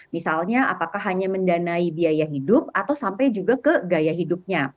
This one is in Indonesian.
misalnya apakah hanya mendanai biaya hidup atau sampai juga ke gaya hidupnya